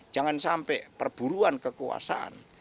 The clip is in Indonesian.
jangan sampai perburuan kekuasaan